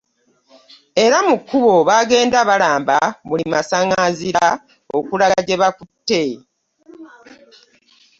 Era mu kkubo bagenda balamba buli masaŋŋanzira okulaga gye bakutte.